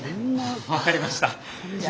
分かりました。